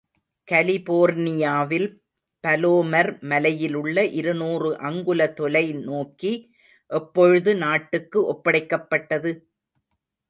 கலிபோர்னியாவில் பலோமர் மலையிலுள்ள இருநூறு அங்குல தொலைநோக்கி எப்பொழுது நாட்டுக்கு ஒப்படைக்கப்பட்டது?